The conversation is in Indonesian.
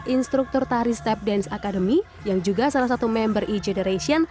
instruktur tari step dance academy yang juga salah satu member e generation